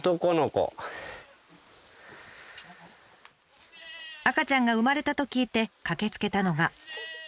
赤ちゃんが産まれたと聞いて駆けつけたのが。